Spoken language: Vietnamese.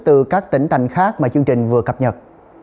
từ các tỉnh thành khác mà chương trình vừa cập nhật